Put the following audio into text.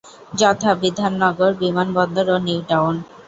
যথা: বিধাননগর, বিমানবন্দর ও নিউ টাউন।